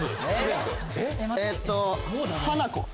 えっとハナコ。